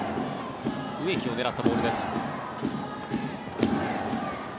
植木を狙ったボールです。